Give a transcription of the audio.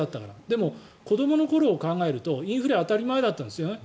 でも子どもの頃を考えるとインフレって当たり前だったんですよね。